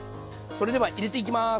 それでは入れていきます。